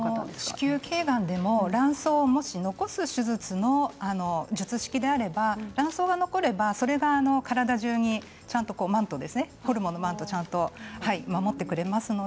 子宮けいがんでももし卵巣を残す手術の術式であれば卵巣が残ればそれが体じゅうにちゃんとマントホルモンのマントが守ってくれます。